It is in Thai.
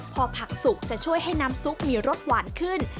พอผักสุกจะช่วยให้น้ำซุปมีรสหวานขึ้น